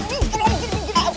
ibu dikit dulu ibu